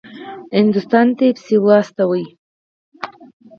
هندوستان ته یې پسې واخیست.